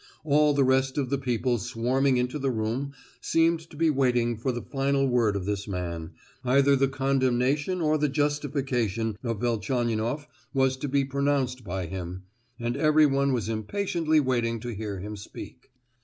All the rest of the people swarming into the room seemed to be waiting for the final word of this man,—either the condemnation or the justification of Velchaninoff was to be pronounced by him,—and everyone was impatiently waiting to hear him speak.